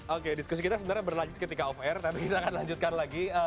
oke diskusi kita sebenarnya berlanjut ketika off air tapi kita akan lanjutkan lagi